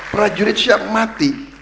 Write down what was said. prajurit siap mati